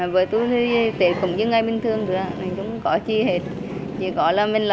với tôi thì tết cũng như ngày bình thường rồi ạ